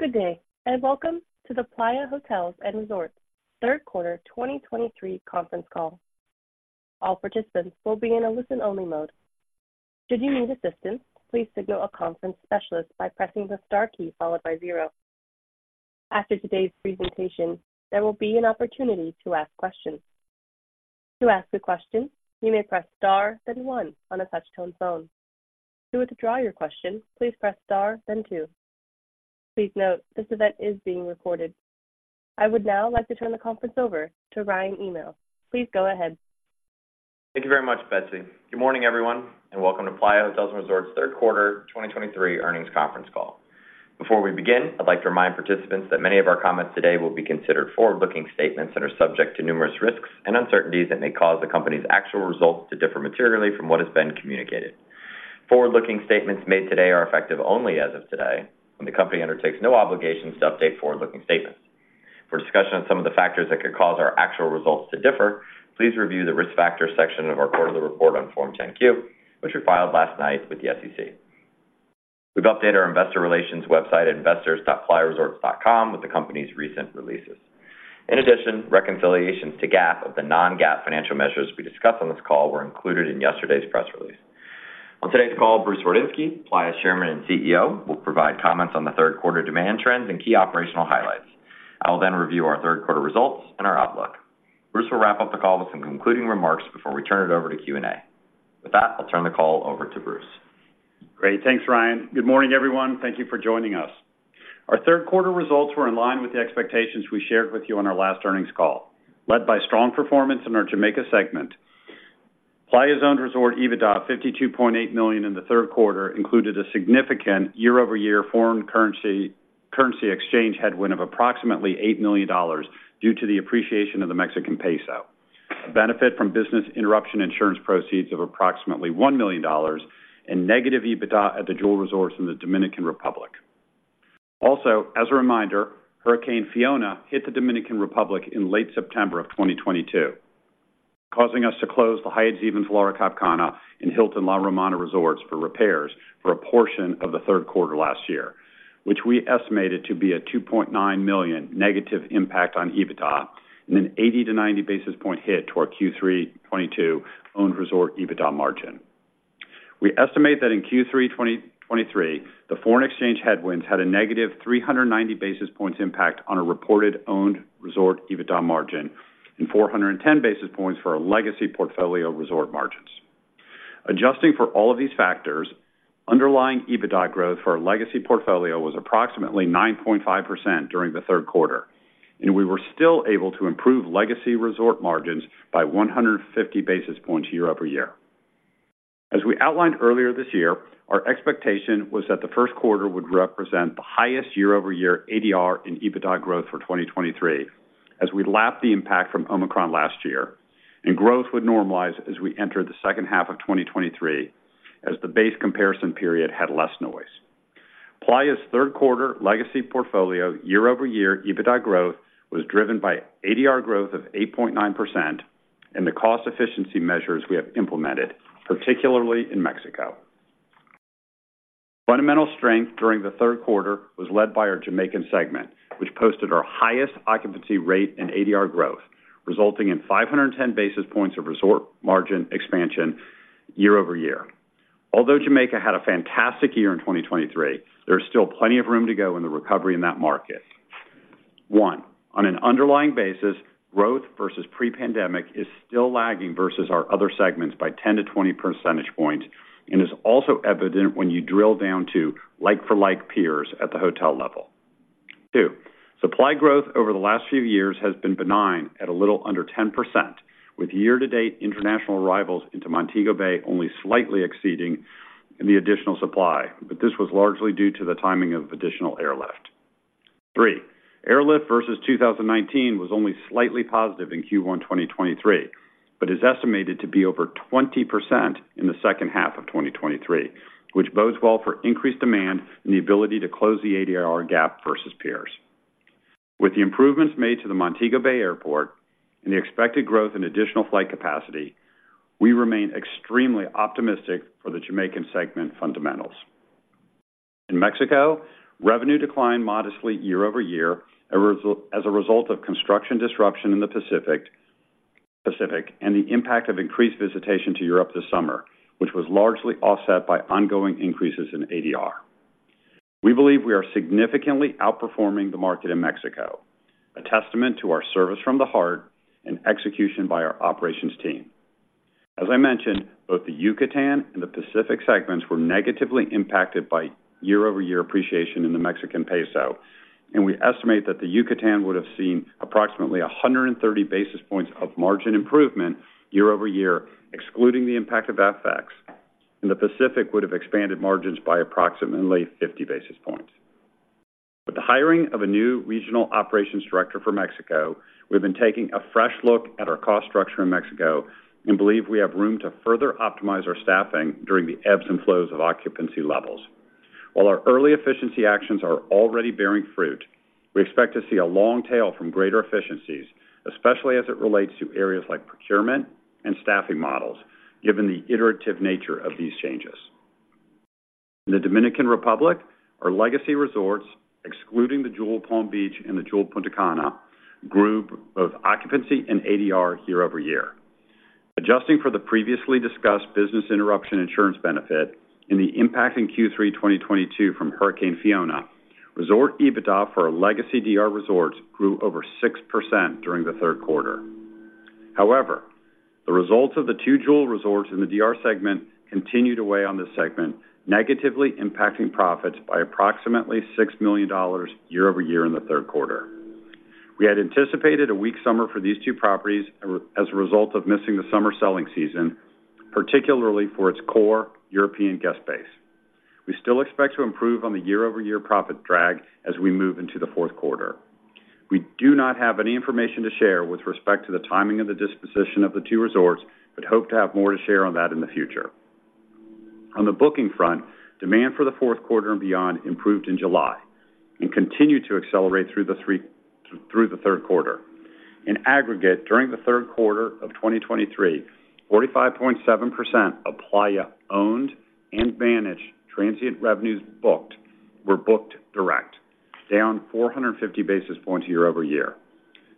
Good day, and welcome to the Playa Hotels & Resorts third quarter 2023 conference call. All participants will be in a listen-only mode. Should you need assistance, please signal a conference specialist by pressing the star key followed by zero. After today's presentation, there will be an opportunity to ask questions. To ask a question, you may press star then one on a touch-tone phone. To withdraw your question, please press star then two. Please note, this event is being recorded. I would now like to turn the conference over to Ryan Hymel. Please go ahead. Thank you very much, Betsy. Good morning, everyone, and welcome to Playa Hotels & Resorts third quarter 2023 earnings conference call. Before we begin, I'd like to remind participants that many of our comments today will be considered forward-looking statements that are subject to numerous risks and uncertainties that may cause the company's actual results to differ materially from what has been communicated. Forward-looking statements made today are effective only as of today, and the company undertakes no obligations to update forward-looking statements. For discussion on some of the factors that could cause our actual results to differ, please review the Risk Factors section of our quarterly report on Form 10-Q, which we filed last night with the SEC. We've updated our investor relations website, investors.playaresorts.com, with the company's recent releases. In addition, reconciliations to GAAP of the non-GAAP financial measures we discuss on this call were included in yesterday's press release. On today's call, Bruce Wardinski, Playa's Chairman and CEO, will provide comments on the third quarter demand trends and key operational highlights. I will then review our third quarter results and our outlook. Bruce will wrap up the call with some concluding remarks before we turn it over to Q&A. With that, I'll turn the call over to Bruce. Great. Thanks, Ryan. Good morning, everyone. Thank you for joining us. Our third quarter results were in line with the expectations we shared with you on our last earnings call, led by strong performance in our Jamaica segment. Playa's owned resort EBITDA, $52.8 million in the third quarter, included a significant year-over-year foreign currency, currency exchange headwind of approximately $8 million due to the appreciation of the Mexican peso, a benefit from business interruption insurance proceeds of approximately $1 million, and negative EBITDA at the Jewel Resorts in the Dominican Republic. Also, as a reminder, Hurricane Fiona hit the Dominican Republic in late September of 2022, causing us to close the [Hyatt Ziva Cap Cana] and Hilton La Romana resorts for repairs for a portion of the third quarter last year, which we estimated to be a $2.9 million negative impact on EBITDA and an 80-90 basis point hit to our Q3 2022 owned resort EBITDA margin. We estimate that in Q3 2023, the foreign exchange headwinds had a negative 390 basis points impact on a reported owned resort EBITDA margin and 410 basis points for our legacy portfolio resort margins. Adjusting for all of these factors, underlying EBITDA growth for our legacy portfolio was approximately 9.5% during the third quarter, and we were still able to improve legacy resort margins by 150 basis points year-over-year. As we outlined earlier this year, our expectation was that the first quarter would represent the highest year-over-year ADR in EBITDA growth for 2023 as we lapped the impact from Omicron last year, and growth would normalize as we entered the second half of 2023, as the base comparison period had less noise. Playa's third quarter legacy portfolio year-over-year EBITDA growth was driven by ADR growth of 8.9% and the cost efficiency measures we have implemented, particularly in Mexico. Fundamental strength during the third quarter was led by our Jamaican segment, which posted our highest occupancy rate and ADR growth, resulting in 510 basis points of resort margin expansion year-over-year. Although Jamaica had a fantastic year in 2023, there is still plenty of room to go in the recovery in that market. One, on an underlying basis, growth versus pre-pandemic is still lagging versus our other segments by 10-20 percentage points and is also evident when you drill down to like-for-like peers at the hotel level. Two, supply growth over the last few years has been benign at a little under 10%, with year-to-date international arrivals into Montego Bay only slightly exceeding the additional supply, but this was largely due to the timing of additional airlift. Three, airlift versus 2019 was only slightly positive in Q1 2023, but is estimated to be over 20% in the second half of 2023, which bodes well for increased demand and the ability to close the ADR gap versus peers. With the improvements made to the Montego Bay Airport and the expected growth in additional flight capacity, we remain extremely optimistic for the Jamaican segment fundamentals. In Mexico, revenue declined modestly year-over-year, as a result of construction disruption in the Pacific and the impact of increased visitation to Europe this summer, which was largely offset by ongoing increases in ADR. We believe we are significantly outperforming the market in Mexico, a testament to our service from the heart and execution by our operations team. As I mentioned, both the Yucatan and the Pacific segments were negatively impacted by year-over-year appreciation in the Mexican peso, and we estimate that the Yucatan would have seen approximately 130 basis points of margin improvement year-over-year, excluding the impact of FX, and the Pacific would have expanded margins by approximately 50 basis points. With the hiring of a new regional operations director for Mexico, we've been taking a fresh look at our cost structure in Mexico and believe we have room to further optimize our staffing during the ebbs and flows of occupancy levels. While our early efficiency actions are already bearing fruit,... We expect to see a long tail from greater efficiencies, especially as it relates to areas like procurement and staffing models, given the iterative nature of these changes. In the Dominican Republic, our legacy resorts, excluding the Jewel Palm Beach and the Jewel Punta Cana, grew both occupancy and ADR year-over-year. Adjusting for the previously discussed business interruption insurance benefit and the impact in Q3 2022 from Hurricane Fiona, resort EBITDA for our legacy DR resorts grew over 6% during the third quarter. However, the results of the two Jewel resorts in the DR segment continued to weigh on this segment, negatively impacting profits by approximately $6 million year-over-year in the third quarter. We had anticipated a weak summer for these two properties as a result of missing the summer selling season, particularly for its core European guest base. We still expect to improve on the year-over-year profit drag as we move into the fourth quarter. We do not have any information to share with respect to the timing of the disposition of the two resorts, but hope to have more to share on that in the future. On the booking front, demand for the fourth quarter and beyond improved in July and continued to accelerate through the third quarter. In aggregate, during the third quarter of 2023, 45.7% of Playa owned and managed transient revenues booked were booked direct, down 450 basis points year-over-year.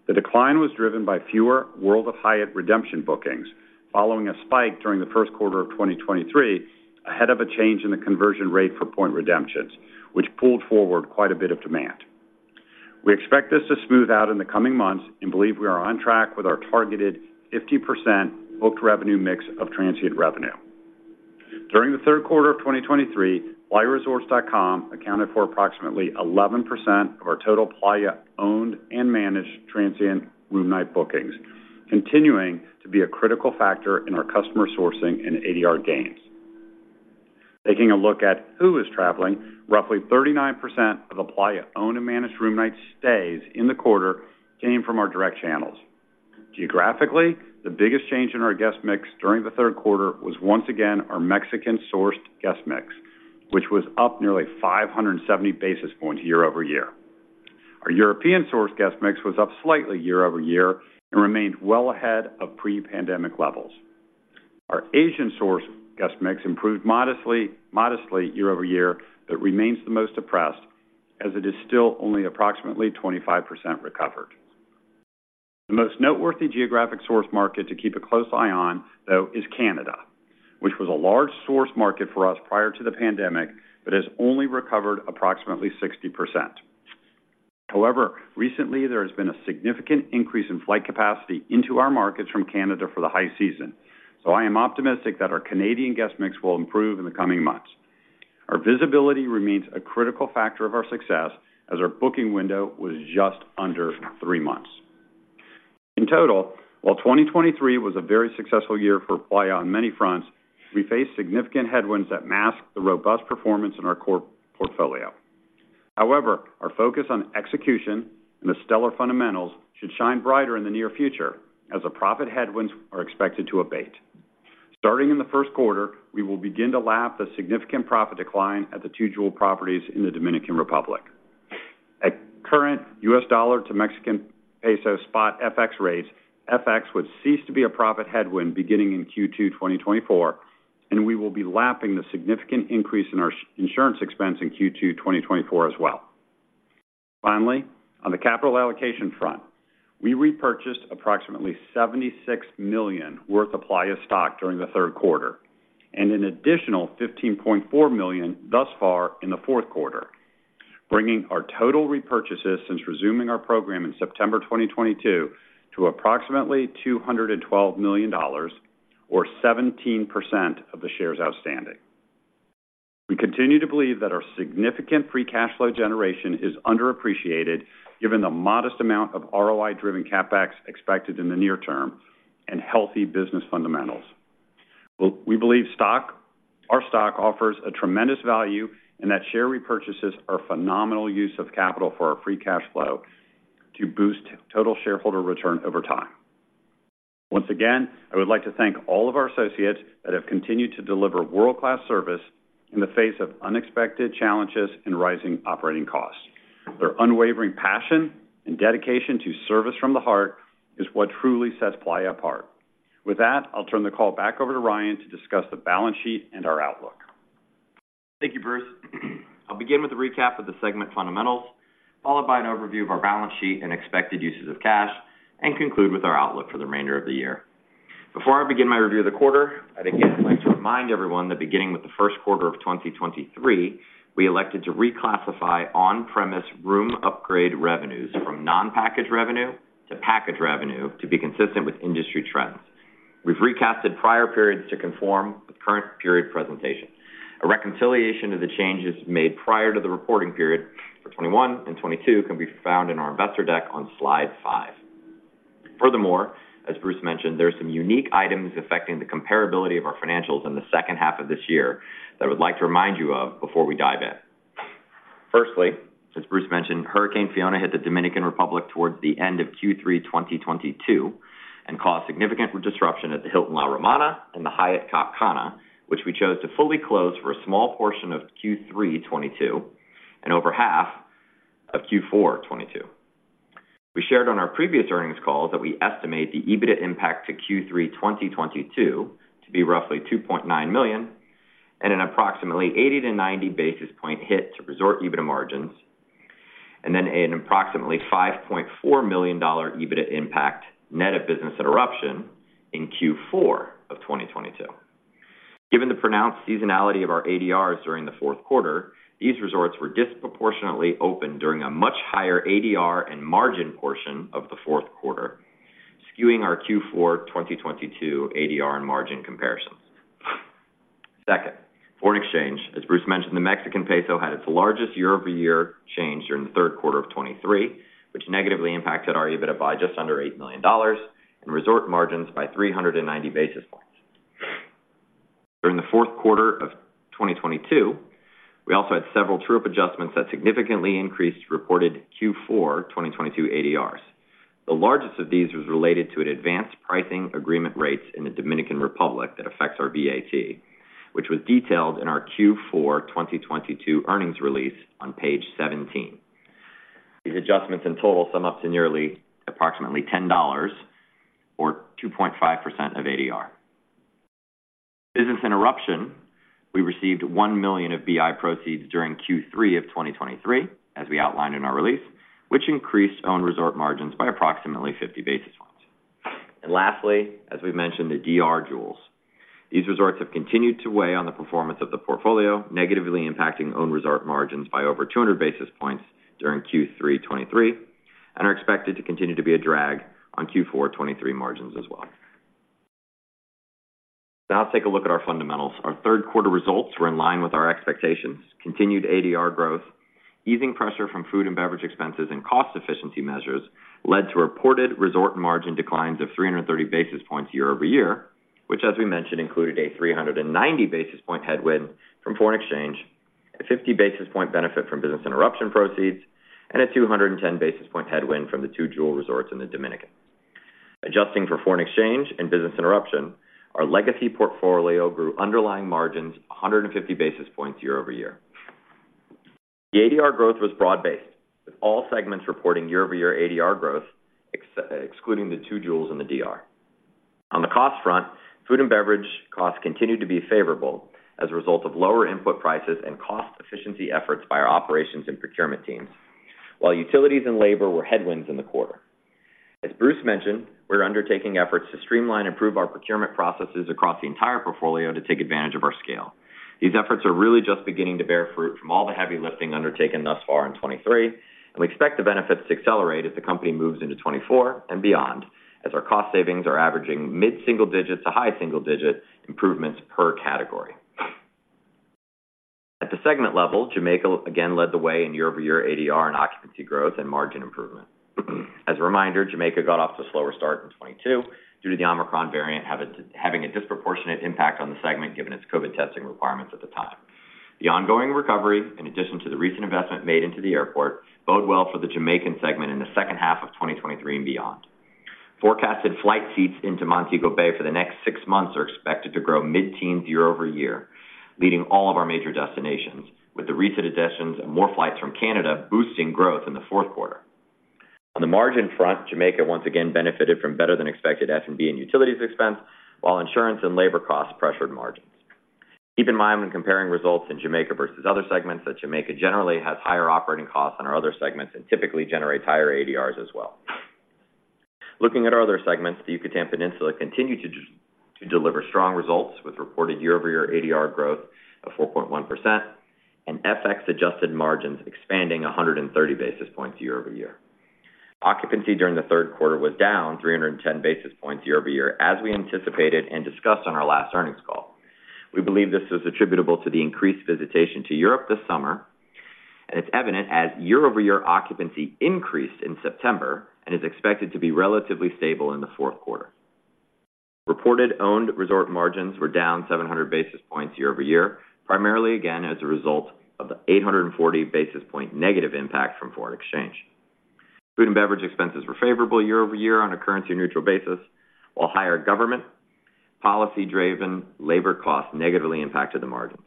The decline was driven by fewer World of Hyatt redemption bookings following a spike during the first quarter of 2023, ahead of a change in the conversion rate for point redemptions, which pulled forward quite a bit of demand. We expect this to smooth out in the coming months and believe we are on track with our targeted 50% booked revenue mix of transient revenue. During the third quarter of 2023, playaresorts.com accounted for approximately 11% of our total Playa owned and managed transient room night bookings, continuing to be a critical factor in our customer sourcing and ADR gains. Taking a look at who is traveling, roughly 39% of the Playa owned and managed room night stays in the quarter came from our direct channels. Geographically, the biggest change in our guest mix during the third quarter was once again our Mexican-sourced guest mix, which was up nearly 570 basis points year-over-year. Our European-sourced guest mix was up slightly year-over-year and remained well ahead of pre-pandemic levels. Our Asian-sourced guest mix improved modestly, modestly year-over-year, but remains the most depressed, as it is still only approximately 25% recovered. The most noteworthy geographic source market to keep a close eye on, though, is Canada, which was a large source market for us prior to the pandemic, but has only recovered approximately 60%. However, recently, there has been a significant increase in flight capacity into our markets from Canada for the high season, so I am optimistic that our Canadian guest mix will improve in the coming months. Our visibility remains a critical factor of our success, as our booking window was just under 3 months. In total, while 2023 was a very successful year for Playa on many fronts, we faced significant headwinds that masked the robust performance in our core portfolio. However, our focus on execution and the stellar fundamentals should shine brighter in the near future as the profit headwinds are expected to abate. Starting in the first quarter, we will begin to lap the significant profit decline at the two Jewel properties in the Dominican Republic. At current U.S. dollar to Mexican peso spot FX rates, FX would cease to be a profit headwind beginning in Q2 2024, and we will be lapping the significant increase in our insurance expense in Q2 2024 as well. Finally, on the capital allocation front, we repurchased approximately $76 million worth of Playa stock during the third quarter, and an additional $15.4 million thus far in the fourth quarter, bringing our total repurchases since resuming our program in September 2022 to approximately $212 million, or 17% of the shares outstanding. We continue to believe that our significant free cash flow generation is underappreciated, given the modest amount of ROI-driven CapEx expected in the near term and healthy business fundamentals. We believe our stock offers a tremendous value and that share repurchases are a phenomenal use of capital for our free cash flow to boost total shareholder return over time. Once again, I would like to thank all of our associates that have continued to deliver world-class service in the face of unexpected challenges and rising operating costs. Their unwavering passion and dedication to service from the heart is what truly sets Playa apart. With that, I'll turn the call back over to Ryan to discuss the balance sheet and our outlook. Thank you, Bruce. I'll begin with a recap of the segment fundamentals, followed by an overview of our balance sheet and expected uses of cash, and conclude with our outlook for the remainder of the year. Before I begin my review of the quarter, I'd again like to remind everyone that beginning with the first quarter of 2023, we elected to reclassify on-premise room upgrade revenues from non-package revenue to package revenue to be consistent with industry trends. We've recast prior periods to conform with current period presentation. A reconciliation of the changes made prior to the reporting period for 2021 and 2022 can be found in our investor deck on slide 5. Furthermore, as Bruce mentioned, there are some unique items affecting the comparability of our financials in the second half of this year that I would like to remind you of before we dive in. Firstly, as Bruce mentioned, Hurricane Fiona hit the Dominican Republic towards the end of Q3 2022 and caused significant disruption at the Hilton La Romana and the Hyatt Cap Cana, which we chose to fully close for a small portion of Q3 2022 and over half of Q4 2022. We shared on our previous earnings call that we estimate the EBIT impact to Q3 2022 to be roughly $2.9 million, and an approximately 80-90 basis point hit to resort EBIT margins, and then an approximately $5.4 million EBIT impact net of business interruption in Q4 of 2022. Given the pronounced seasonality of our ADRs during the fourth quarter, these resorts were disproportionately open during a much higher ADR and margin portion of the fourth quarter, skewing our Q4 2022 ADR and margin comparisons. Second, foreign exchange. As Bruce mentioned, the Mexican peso had its largest year-over-year change during the third quarter of 2023, which negatively impacted our EBIT by just under $8 million, and resort margins by 390 basis points. During the fourth quarter of 2022, we also had several true-up adjustments that significantly increased reported Q4 2022 ADRs. The largest of these was related to an advanced pricing agreement rates in the Dominican Republic that affects our VAT, which was detailed in our Q4 2022 earnings release on page 17. These adjustments in total sum up to nearly approximately $10 or 2.5% of ADR. Business interruption, we received $1 million of BI proceeds during Q3 of 2023, as we outlined in our release, which increased own resort margins by approximately 50 basis points. Lastly, as we've mentioned, the DR Jewels. These resorts have continued to weigh on the performance of the portfolio, negatively impacting own resort margins by over 200 basis points during Q3 2023, and are expected to continue to be a drag on Q4 2023 margins as well. Now let's take a look at our fundamentals. Our third quarter results were in line with our expectations. Continued ADR growth, easing pressure from food and beverage expenses, and cost efficiency measures led to reported resort margin declines of 330 basis points year-over-year, which, as we mentioned, included a 390 basis point headwind from foreign exchange, a 50 basis point benefit from business interruption proceeds, and a 210 basis point headwind from the two Jewel resorts in the Dominican. Adjusting for foreign exchange and business interruption, our legacy portfolio grew underlying margins 150 basis points year-over-year. The ADR growth was broad-based, with all segments reporting year-over-year ADR growth, excluding the two Jewels in the DR. On the cost front, food and beverage costs continued to be favorable as a result of lower input prices and cost efficiency efforts by our operations and procurement teams, while utilities and labor were headwinds in the quarter. As Bruce mentioned, we're undertaking efforts to streamline and improve our procurement processes across the entire portfolio to take advantage of our scale. These efforts are really just beginning to bear fruit from all the heavy lifting undertaken thus far in 2023, and we expect the benefits to accelerate as the company moves into 2024 and beyond, as our cost savings are averaging mid-single digits to high single digits improvements per category. At the segment level, Jamaica again led the way in year-over-year ADR and occupancy growth and margin improvement. As a reminder, Jamaica got off to a slower start in 2022 due to the Omicron variant having a disproportionate impact on the segment given its COVID testing requirements at the time. The ongoing recovery, in addition to the recent investment made into the airport, bode well for the Jamaican segment in the second half of 2023 and beyond. Forecasted flight seats into Montego Bay for the next 6 months are expected to grow mid-teens year-over-year, leading all of our major destinations, with the recent additions and more flights from Canada boosting growth in the fourth quarter. On the margin front, Jamaica once again benefited from better than expected F&B and utilities expense, while insurance and labor costs pressured margins. Keep in mind when comparing results in Jamaica versus other segments, that Jamaica generally has higher operating costs than our other segments and typically generates higher ADRs as well. Looking at our other segments, the Yucatan Peninsula continued to deliver strong results, with reported year-over-year ADR growth of 4.1% and FX adjusted margins expanding 130 basis points year-over-year. Occupancy during the third quarter was down 310 basis points year-over-year, as we anticipated and discussed on our last earnings call. We believe this is attributable to the increased visitation to Europe this summer, and it's evident as year-over-year occupancy increased in September and is expected to be relatively stable in the fourth quarter. Reported owned resort margins were down 700 basis points year-over-year, primarily again as a result of the 840 basis point negative impact from foreign exchange. Food and beverage expenses were favorable year-over-year on a currency-neutral basis, while higher government policy-driven labor costs negatively impacted the margins.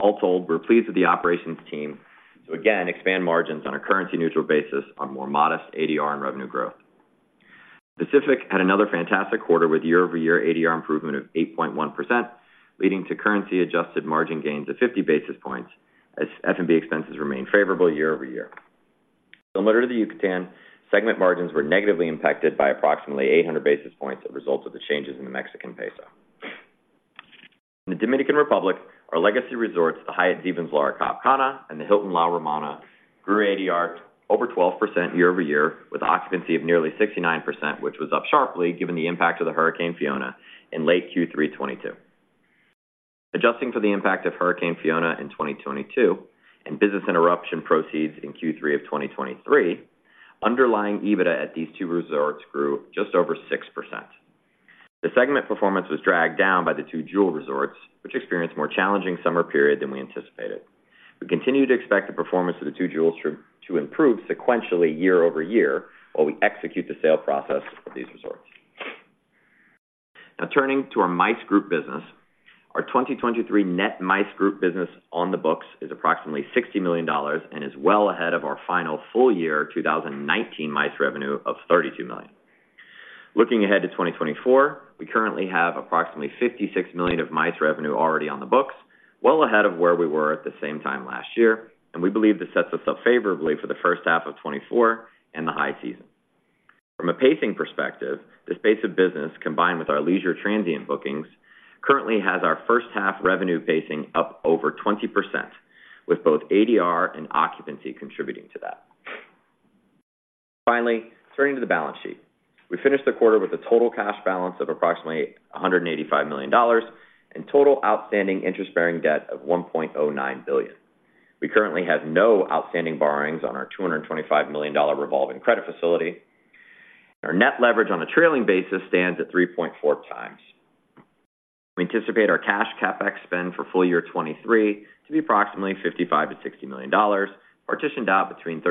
All told, we're pleased with the operations team to again expand margins on a currency-neutral basis on more modest ADR and revenue growth. Pacific had another fantastic quarter, with year-over-year ADR improvement of 8.1%, leading to currency adjusted margin gains of 50 basis points, as F&B expenses remained favorable year-over-year. Similar to the Yucatan, segment margins were negatively impacted by approximately 800 basis points as a result of the changes in the Mexican peso. In the Dominican Republic, our legacy resorts, the Hyatt Ziva Cap Cana and the Hilton La Romana, grew ADR over 12% year-over-year, with occupancy of nearly 69%, which was up sharply given the impact of the Hurricane Fiona in late Q3 2022. Adjusting for the impact of Hurricane Fiona in 2022 and business interruption proceeds in Q3 of 2023, underlying EBITDA at these two resorts grew just over 6%. The segment performance was dragged down by the two Jewel resorts, which experienced a more challenging summer period than we anticipated. We continue to expect the performance of the two Jewels to improve sequentially year-over-year, while we execute the sale process of these resorts. Now turning to our MICE group business. Our 2023 net MICE group business on the books is approximately $60 million and is well ahead of our final full year, 2019 MICE revenue of $32 million. Looking ahead to 2024, we currently have approximately $56 million of MICE revenue already on the books, well ahead of where we were at the same time last year, and we believe this sets us up favorably for the first half of 2024 and the high season. From a pacing perspective, this pace of business, combined with our leisure transient bookings, currently has our first half revenue pacing up over 20%, with both ADR and occupancy contributing to that. Finally, turning to the balance sheet. We finished the quarter with a total cash balance of approximately $185 million and total outstanding interest-bearing debt of $1.09 billion. We currently have no outstanding borrowings on our $225 million revolving credit facility. Our net leverage on a trailing basis stands at 3.4x. We anticipate our cash CapEx spend for full year 2023 to be approximately $55 million-$60 million, partitioned out between $35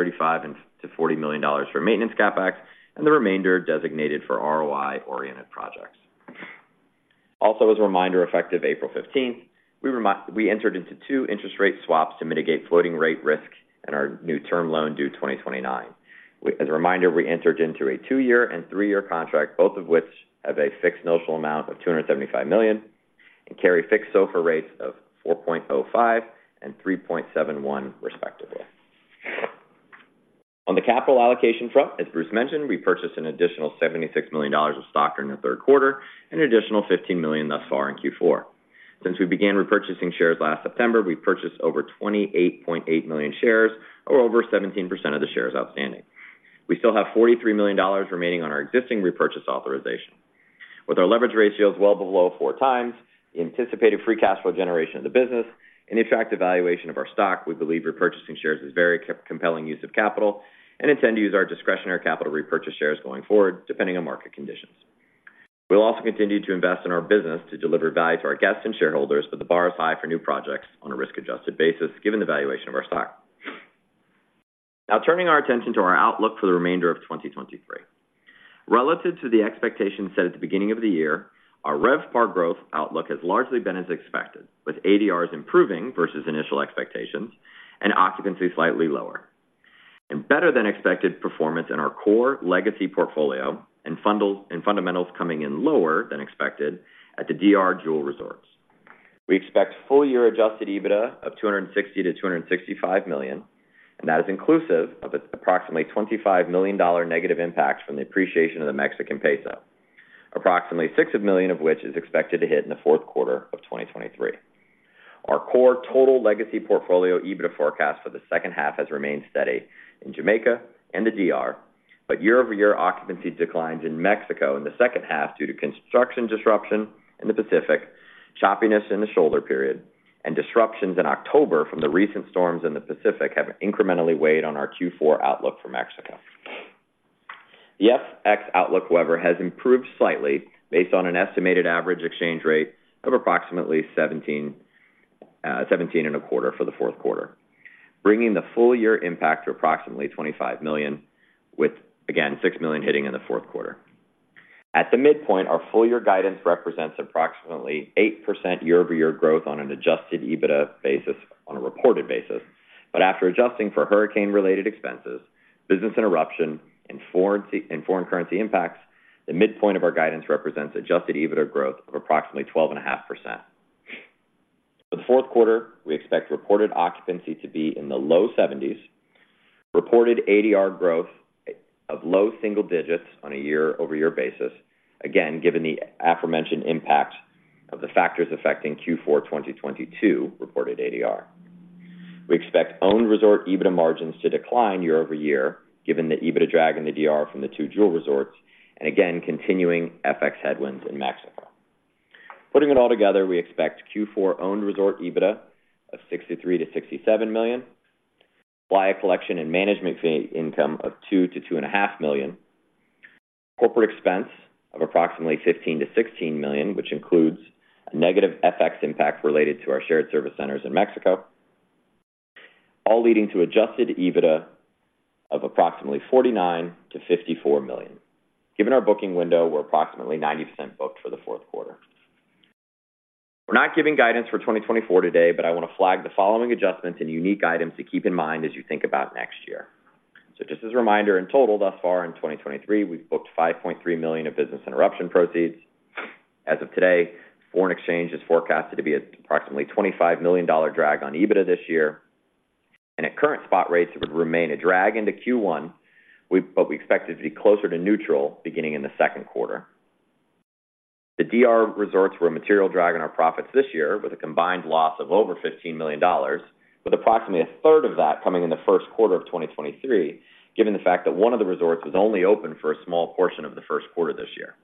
million-$40 million for maintenance CapEx, and the remainder designated for ROI-oriented projects. Also, as a reminder, effective April 15th, we entered into two interest rate swaps to mitigate floating rate risk in our new term loan, due 2029. As a reminder, we entered into a 2-year and 3-year contract, both of which have a fixed notional amount of $275 million and carry fixed SOFR rates of 4.05 and 3.71, respectively. On the capital allocation front, as Bruce mentioned, we purchased an additional $76 million of stock during the third quarter and an additional $15 million thus far in Q4. Since we began repurchasing shares last September, we've purchased over 28.8 million shares, or over 17% of the shares outstanding. We still have $43 million remaining on our existing repurchase authorization. With our leverage ratios well below 4x, the anticipated free cash flow generation of the business, and attractive valuation of our stock, we believe repurchasing shares is very compelling use of capital and intend to use our discretionary capital to repurchase shares going forward, depending on market conditions. We'll also continue to invest in our business to deliver value to our guests and shareholders, but the bar is high for new projects on a risk-adjusted basis, given the valuation of our stock. Now turning our attention to our outlook for the remainder of 2023. Relative to the expectations set at the beginning of the year, our RevPAR growth outlook has largely been as expected, with ADRs improving versus initial expectations and occupancy slightly lower, and better than expected performance in our core legacy portfolio and fundamental and fundamentals coming in lower than expected at the DR Jewel Resorts. We expect full year adjusted EBITDA of $260 million-$265 million, and that is inclusive of approximately $25 million negative impact from the appreciation of the Mexican peso, approximately $6 million of which is expected to hit in the fourth quarter of 2023. Our core total legacy portfolio EBITDA forecast for the second half has remained steady in Jamaica and the DR, but year-over-year occupancy declines in Mexico in the second half due to construction disruption in the Pacific, choppiness in the shoulder period, and disruptions in October from the recent storms in the Pacific have incrementally weighed on our Q4 outlook for Mexico. The FX outlook, however, has improved slightly based on an estimated average exchange rate of approximately 17.25 for the fourth quarter, bringing the full year impact to approximately $25 million, with, again, $6 million hitting in the fourth quarter. At the midpoint, our full year guidance represents approximately 8% year-over-year growth on an adjusted EBITDA basis on a reported basis. But after adjusting for hurricane-related expenses, business interruption, and foreign currency impacts, the midpoint of our guidance represents adjusted EBITDA growth of approximately 12.5%. For the fourth quarter, we expect reported occupancy to be in the low 70s, reported ADR growth of low single digits on a year-over-year basis, again, given the aforementioned impact of the factors affecting Q4 2022 reported ADR. We expect owned resort EBITDA margins to decline year-over-year, given the EBITDA drag in the DR from the two Jewel resorts and again, continuing FX headwinds in Mexico. Putting it all together, we expect Q4 owned resort EBITDA of $63 million-$67 million, Playa Collection and management fee income of $2 million-$2.5 million, corporate expense of approximately $15 million-$16 million, which includes a negative FX impact related to our shared service centers in Mexico, all leading to adjusted EBITDA of approximately $49 million-$54 million. Given our booking window, we're approximately 90% booked for the fourth quarter. We're not giving guidance for 2024 today, but I want to flag the following adjustments and unique items to keep in mind as you think about next year. So just as a reminder, in total, thus far in 2023, we've booked $5.3 million of business interruption proceeds. As of today, foreign exchange is forecasted to be approximately $25 million drag on EBITDA this year, and at current spot rates, it would remain a drag into Q1, but we expect it to be closer to neutral beginning in the second quarter. The DR resorts were a material drag on our profits this year, with a combined loss of over $15 million, with approximately a third of that coming in the first quarter of 2023, given the fact that one of the resorts was only open for a small portion of the first quarter this year.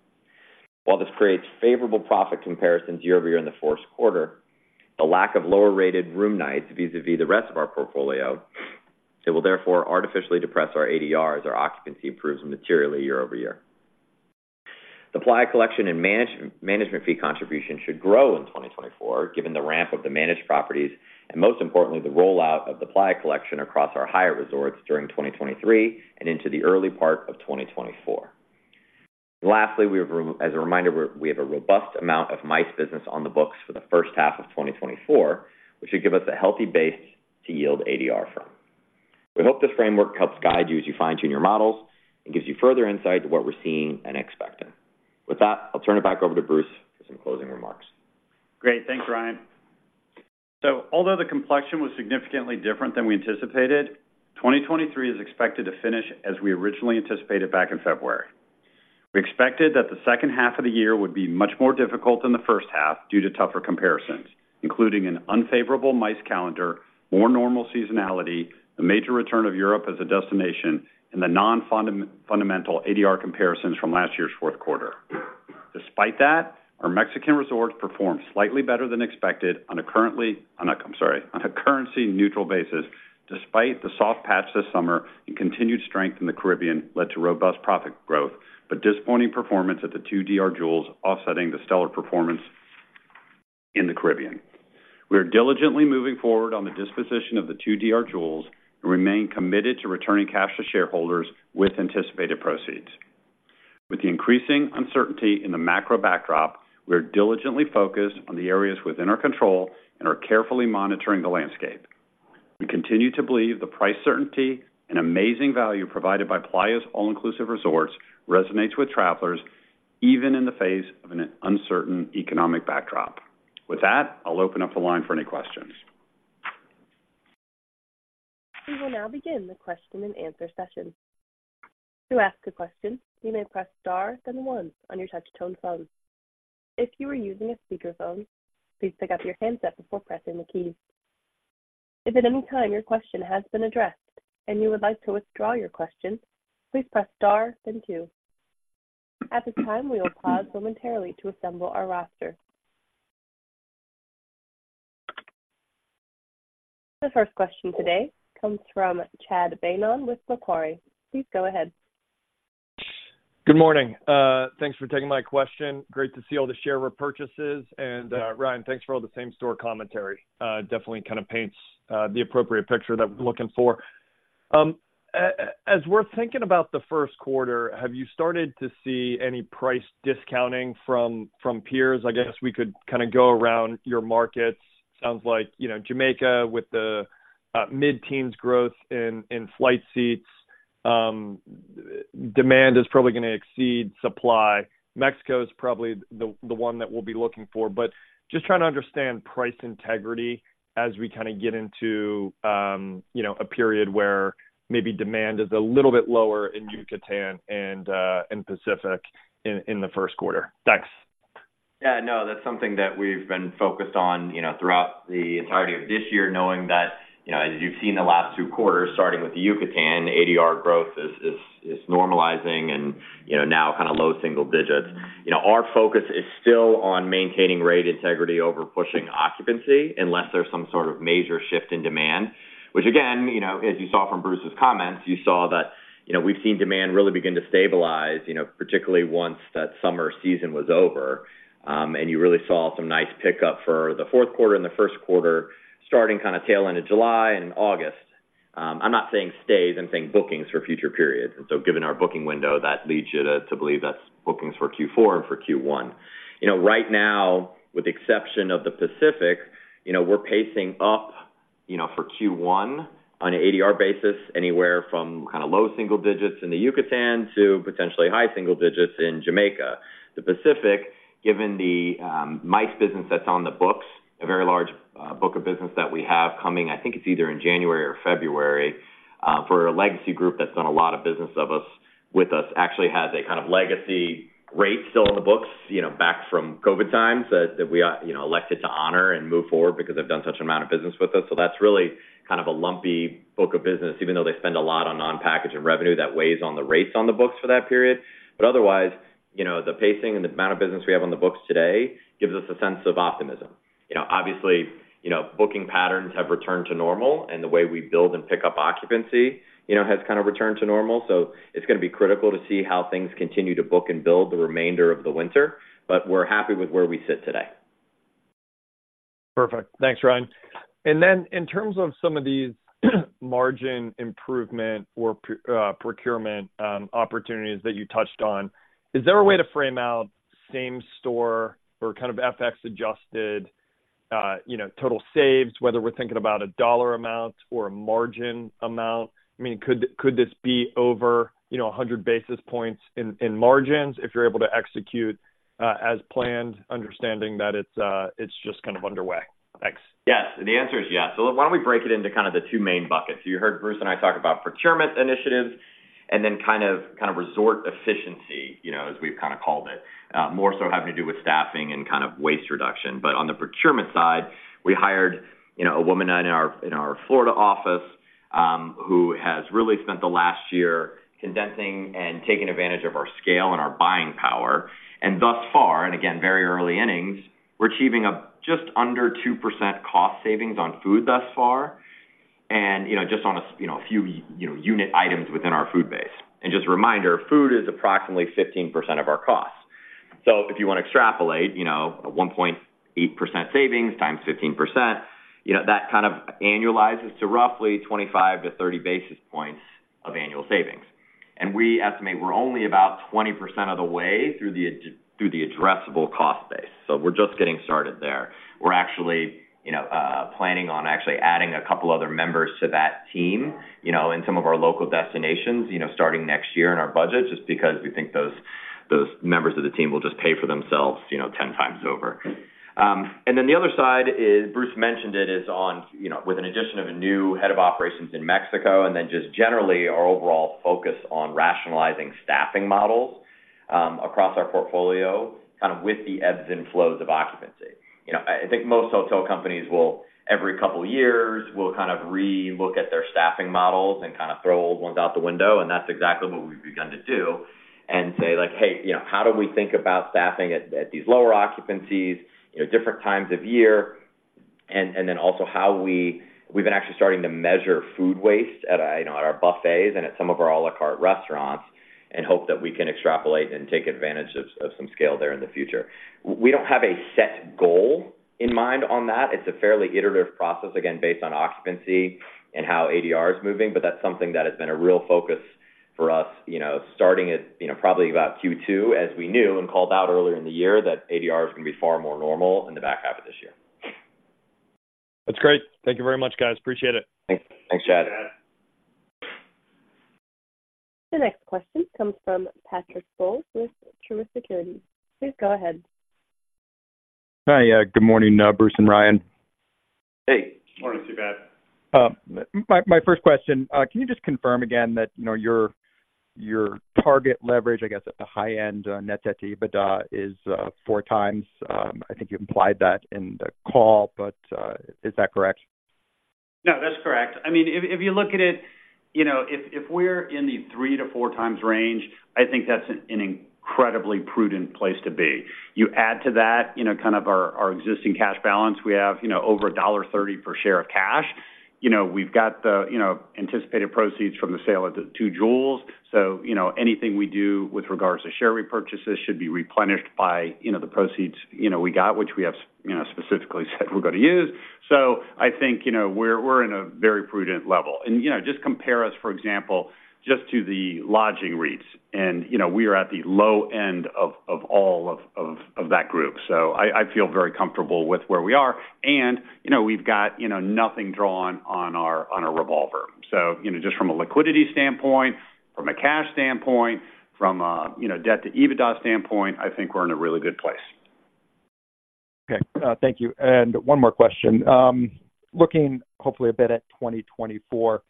While this creates favorable profit comparisons year-over-year in the fourth quarter, the lack of lower-rated room nights vis-à-vis the rest of our portfolio, it will therefore artificially depress our ADR as our occupancy improves materially year-over-year. The Playa Collection and management fee contribution should grow in 2024, given the ramp of the managed properties and, most importantly, the rollout of the Playa Collection across our Hyatt resorts during 2023 and into the early part of 2024. Lastly, we have, as a reminder, we have a robust amount of MICE business on the books for the first half of 2024, which should give us a healthy base to yield ADR from. We hope this framework helps guide you as you fine-tune your models and gives you further insight to what we're seeing and expecting. With that, I'll turn it back over to Bruce for some closing remarks. Great. Thanks, Ryan. So although the complexion was significantly different than we anticipated, 2023 is expected to finish as we originally anticipated back in February. We expected that the second half of the year would be much more difficult than the first half due to tougher comparisons, including an unfavorable MICE calendar, more normal seasonality, the major return of Europe as a destination, and the nonfundamental ADR comparisons from last year's fourth quarter. Despite that, our Mexican resorts performed slightly better than expected on a currency neutral basis, despite the soft patch this summer and continued strength in the Caribbean led to robust profit growth, but disappointing performance at the two DR Jewels, offsetting the stellar performance in the Caribbean. We are diligently moving forward on the disposition of the two DR Jewels and remain committed to returning cash to shareholders with anticipated proceeds. With the increasing uncertainty in the macro backdrop, we are diligently focused on the areas within our control and are carefully monitoring the landscape. We continue to believe the price certainty and amazing value provided by Playa's all-inclusive resorts resonates with travelers, even in the face of an uncertain economic backdrop. With that, I'll open up the line for any questions. We will now begin the question and answer session. To ask a question, you may press star then one on your touch tone phone. If you are using a speakerphone, please pick up your handset before pressing the key. If at any time your question has been addressed and you would like to withdraw your question, please press star then two. At this time, we will pause momentarily to assemble our roster. The first question today comes from Chad Beynon with Macquarie. Please go ahead. Good morning. Thanks for taking my question. Great to see all the share repurchases, and, Ryan, thanks for all the same store commentary. Definitely kind of paints the appropriate picture that we're looking for. As we're thinking about the first quarter, have you started to see any price discounting from peers? I guess we could kind of go around your markets. Sounds like, you know, Jamaica, with the mid-teens growth in flight seats, demand is probably going to exceed supply. Mexico is probably the one that we'll be looking for, but just trying to understand price integrity as we kind of get into, you know, a period where maybe demand is a little bit lower in Yucatan and in Pacific in the first quarter. Thanks. Yeah, no, that's something that we've been focused on, you know, throughout the entirety of this year, knowing that, you know, as you've seen the last two quarters, starting with the Yucatan, ADR growth is normalizing and, you know, now kind of low single digits. You know, our focus is still on maintaining rate integrity over pushing occupancy unless there's some sort of major shift in demand, which again, you know, as you saw from Bruce's comments, you saw that, you know, we've seen demand really begin to stabilize, you know, particularly once that summer season was over. And you really saw some nice pickup for the fourth quarter and the first quarter starting kind of tail end of July and August. I'm not saying stays, I'm saying bookings for future periods. And so given our booking window, that leads you to believe that's bookings for Q4 and for Q1. You know, right now, with the exception of the Pacific, you know, we're pacing up, you know, for Q1 on an ADR basis, anywhere from kind of low single digits in the Yucatan to potentially high single digits in Jamaica. The Pacific, given the MICE business that's on the books, a very large book of business that we have coming, I think it's either in January or February, for a legacy group that's done a lot of business with us, actually has a kind of legacy rate still on the books, you know, back from COVID times that we, you know, elected to honor and move forward because they've done such an amount of business with us. So that's really kind of a lumpy book of business, even though they spend a lot on non-package revenue, that weighs on the rates on the books for that period. But otherwise, you know, the pacing and the amount of business we have on the books today gives us a sense of optimism. You know, obviously, you know, booking patterns have returned to normal, and the way we build and pick up occupancy, you know, has kind of returned to normal. So it's going to be critical to see how things continue to book and build the remainder of the winter. But we're happy with where we sit today. Perfect. Thanks, Ryan. And then in terms of some of these margin improvement or procurement opportunities that you touched on, is there a way to frame out same store or kind of FX adjusted, you know, total saves, whether we're thinking about a dollar amount or a margin amount? I mean, could, could this be over, you know, 100 basis points in, in margins if you're able to execute, as planned, understanding that it's it's just kind of underway? Thanks. Yes, the answer is yes. So why don't we break it into kind of the two main buckets? You heard Bruce and I talk about procurement initiatives and then kind of resort efficiency, you know, as we've kind of called it, more so having to do with staffing and kind of waste reduction. But on the procurement side, we hired, you know, a woman in our Florida office, who has really spent the last year condensing and taking advantage of our scale and our buying power. And thus far, and again, very early innings, we're achieving a just under 2% cost savings on food thus far. And, you know, just on a few, you know, unit items within our food base. And just a reminder, food is approximately 15% of our cost. So if you want to extrapolate, you know, 1.8% savings times 15%, you know, that kind of annualizes to roughly 25-30 basis points of annual savings. And we estimate we're only about 20% of the way through the, through the addressable cost base. So we're just getting started there. We're actually, you know, planning on actually adding a couple other members to that team, you know, in some of our local destinations, you know, starting next year in our budget, just because we think those, those members of the team will just pay for themselves, you know, 10x over. And then the other side is, Bruce mentioned it, is on, you know, with an addition of a new head of operations in Mexico, and then just generally, our overall focus on rationalizing staffing models, across our portfolio, kind of with the ebbs and flows of occupancy. You know, I think most hotel companies will, every couple of years, will kind of re-look at their staffing models and kind of throw old ones out the window, and that's exactly what we've begun to do and say, like: "Hey, you know, how do we think about staffing at these lower occupancies, you know, different times of year?" And then also how we've been actually starting to measure food waste at, you know, at our buffets and at some of our à la carte restaurants, and hope that we can extrapolate and take advantage of some scale there in the future. We don't have a set goal in mind on that. It's a fairly iterative process, again, based on occupancy and how ADR is moving, but that's something that has been a real focus for us, you know, starting at, you know, probably about Q2, as we knew and called out earlier in the year, that ADR is going to be far more normal in the back half of this year. That's great. Thank you very much, guys. Appreciate it. Thanks. Thanks, Chad. The next question comes from Patrick Scholes with Truist Securities. Please go ahead. Hi. Yeah, good morning, Bruce and Ryan. Hey. Morning to you, Pat. My first question, can you just confirm again that, you know, your target leverage, I guess, at the high end net debt to EBITDA is 4x? I think you implied that in the call, but is that correct? No, that's correct. I mean, if you look at it, you know, if we're in the 3-4x range, I think that's an incredibly prudent place to be. You add to that, you know, kind of our existing cash balance. We have, you know, over $1.30 per share of cash. You know, we've got the anticipated proceeds from the sale of the two Jewels. So, you know, anything we do with regards to share repurchases should be replenished by, you know, the proceeds, you know, we got, which we have, you know, specifically said we're going to use. So I think, you know, we're in a very prudent level. And, you know, just compare us, for example, just to the lodging REITs. And, you know, we are at the low end of all of that group. I feel very comfortable with where we are. You know, we've got, you know, nothing drawn on our revolver. You know, just from a liquidity standpoint, from a cash standpoint, from a, you know, debt to EBITDA standpoint, I think we're in a really good place. Okay, thank you. And one more question. Looking hopefully a bit at 2024,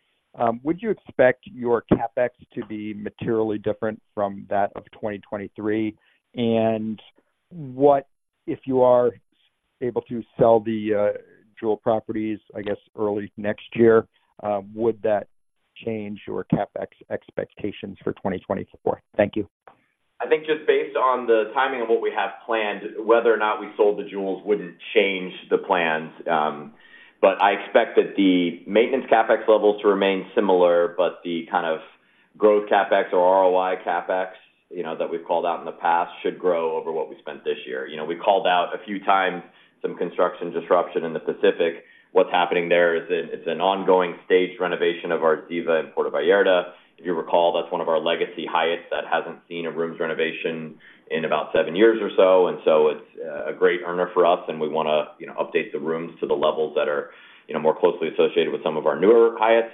would you expect your CapEx to be materially different from that of 2023? And what if you are able to sell the, Jewel properties, I guess, early next year, would that change your CapEx expectations for 2024? Thank you. I think just based on the timing of what we have planned, whether or not we sold the Jewels wouldn't change the plans. But I expect that the maintenance CapEx levels to remain similar, but the kind of growth CapEx or ROI CapEx, you know, that we've called out in the past, should grow over what we spent this year. You know, we called out a few times some construction disruption in the Pacific. What's happening there is an, it's an ongoing stage renovation of our Ziva in Puerto Vallarta. If you recall, that's one of our legacy Hyatts that hasn't seen a rooms renovation in about seven years or so. And so it's a great earner for us, and we want to, you know, update the rooms to the levels that are, you know, more closely associated with some of our newer Hyatts.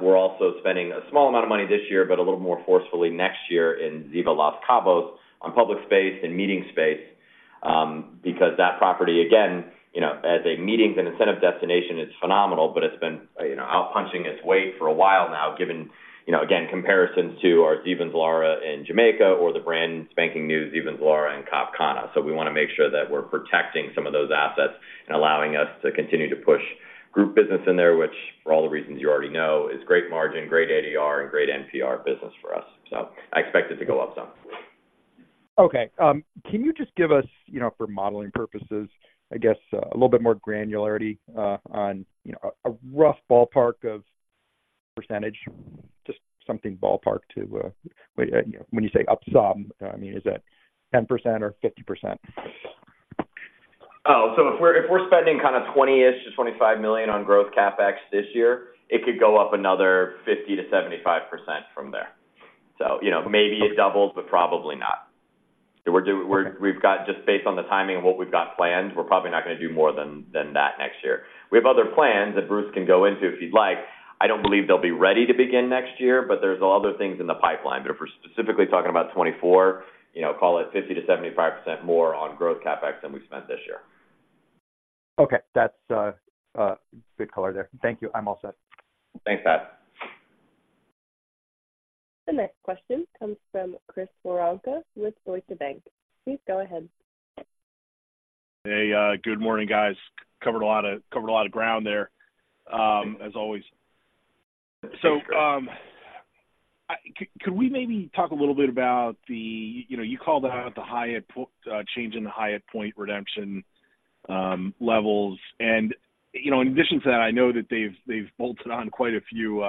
We're also spending a small amount of money this year, but a little more forcefully next year in Ziva Los Cabos on public space and meeting space, because that property, again, you know, as a meetings and incentive destination, is phenomenal, but it's been, you know, out punching its weight for a while now, given, you know, again, comparisons to our Ziva Zilara in Jamaica or the brand spanking new Ziva Zilara in Cap Cana. So we want to make sure that we're protecting some of those assets and allowing us to continue to push group business in there, which for all the reasons you already know, is great margin, great ADR, and great NPR business for us. So I expect it to go up some. Okay. Can you just give us, you know, for modeling purposes, I guess, a little bit more granularity on, you know, a rough ballpark of percentage, just something ballpark to... When you say up some, I mean, is that 10% or 50%? Oh, so if we're spending kind of $20-ish to $25 million on growth CapEx this year, it could go up another 50%-75% from there. So, you know, maybe it doubles, but probably not. So we're—we've got just based on the timing of what we've got planned, we're probably not going to do more than that next year. We have other plans that Bruce can go into if he'd like. I don't believe they'll be ready to begin next year, but there's other things in the pipeline. But if we're specifically talking about 2024, you know, call it 50%-75% more on growth CapEx than we spent this year. Okay. That's good color there. Thank you. I'm all set. Thanks, Pat. The next question comes from Chris Woronka with Deutsche Bank. Please go ahead. Hey, good morning, guys. Covered a lot of, covered a lot of ground there, as always. So, could we maybe talk a little bit about the, you know, you called out the Hyatt point change in the Hyatt point redemption levels. And, you know, in addition to that, I know that they've bolted on quite a few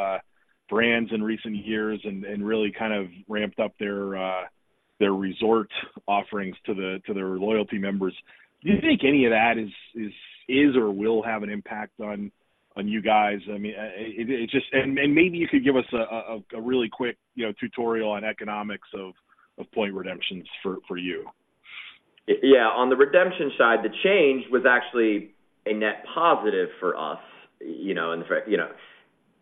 brands in recent years and really kind of ramped up their resort offerings to the, to their loyalty members. Do you think any of that is or will have an impact on you guys? I mean, it just, and maybe you could give us a really quick, you know, tutorial on economics of point redemptions for you. Yeah. On the redemption side, the change was actually a net positive for us, you know, in the fact, you know,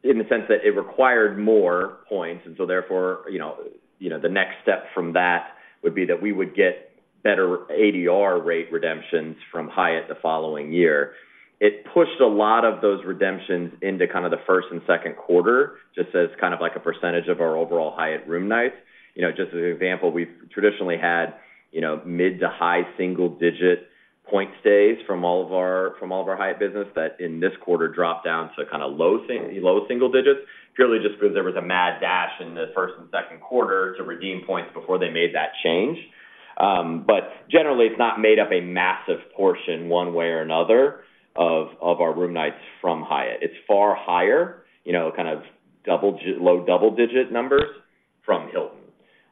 in the sense that it required more points, and so therefore, you know, you know, the next step from that would be that we would get better ADR rate redemptions from Hyatt the following year. It pushed a lot of those redemptions into kind of the first and second quarter, just as kind of like a percentage of our overall Hyatt room nights. You know, just as an example, we've traditionally had, you know, mid- to high-single-digit point stays from all of our Hyatt business, that in this quarter dropped down to kind of low single digits, purely just because there was a mad dash in the first and second quarter to redeem points before they made that change. But generally, it's not made up a massive portion, one way or another, of our room nights from Hyatt. It's far higher, you know, kind of low double-digit numbers from Hilton.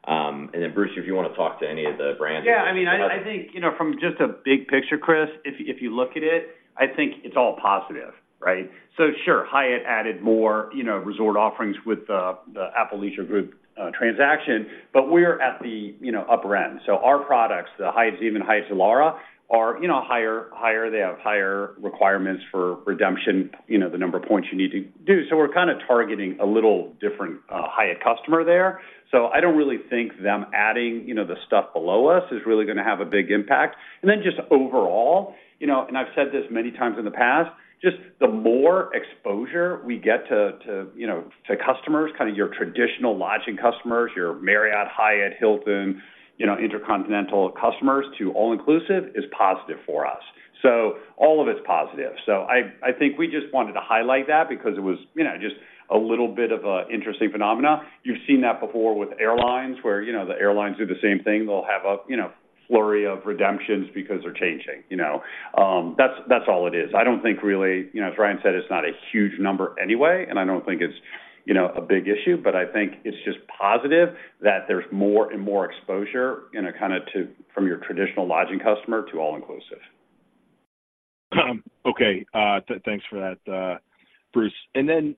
And then, Bruce, if you want to talk to any of the brands? Yeah, I mean, I think, you know, from just a big picture, Chris, if you look at it, I think it's all positive, right? So sure, Hyatt added more, you know, resort offerings with the Apple Leisure Group transaction, but we're at the, you know, upper end. So our products, the Hyatt Ziva and Hyatt Zilara, are, you know, higher, higher. They have higher requirements for redemption, you know, the number of points you need to do. So we're kind of targeting a little different Hyatt customer there. So I don't really think them adding, you know, the stuff below us is really going to have a big impact. And then just overall, you know, and I've said this many times in the past, just the more exposure we get to, you know, to customers, kind of your traditional lodging customers, your Marriott, Hyatt, Hilton, you know, InterContinental customers, to all-inclusive is positive for us. So all of it's positive. So I think we just wanted to highlight that because it was, you know, just a little bit of an interesting phenomena. You've seen that before with airlines, where, you know, the airlines do the same thing. They'll have a, you know, flurry of redemptions because they're changing, you know. That's all it is. I don't think really... You know, as Ryan said, it's not a huge number anyway, and I don't think it's, you know, a big issue, but I think it's just positive that there's more and more exposure in a kind of two-way from your traditional lodging customer to all-inclusive. Okay. Thanks for that, Bruce. And then,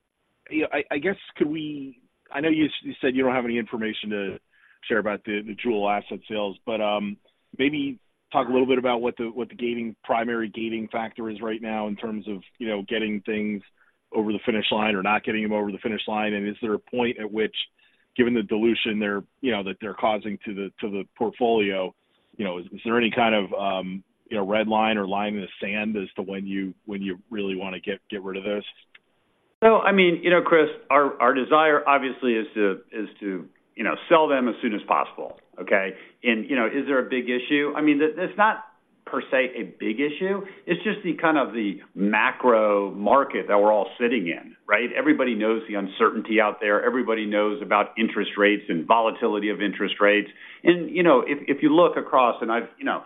you know, I guess, could we—I know you said you don't have any information to share about the Jewel asset sales, but maybe talk a little bit about what the gating, primary gating factor is right now in terms of, you know, getting things over the finish line or not getting them over the finish line. And is there a point at which, given the dilution they're, you know, that they're causing to the portfolio, you know, is there any kind of red line or line in the sand as to when you really want to get rid of those? So, I mean, you know, Chris, our desire obviously is to you know, sell them as soon as possible, okay? And, you know, is there a big issue? I mean, it's not per se, a big issue. It's just the kind of macro market that we're all sitting in, right? Everybody knows the uncertainty out there. Everybody knows about interest rates and volatility of interest rates. And, you know, if you look across, and I've you know,